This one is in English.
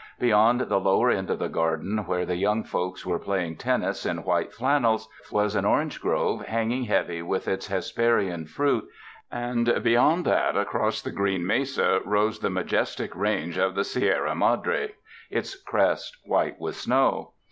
Beyond the lower end of the garden where the young folks were playing tennis in white flannels was an orange grove hanging heavy with its Hesperian fruit, and beyond that across the green mesa rose the majestic range of the Sierra Madre, its crest white with snow.